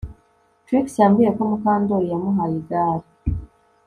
Trix yambwiye ko Mukandoli yamuhaye igare